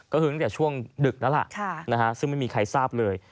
ก็คือตั้งแต่ช่วงดึกแล้วล่ะซึ่งไม่มีใครทราบเลย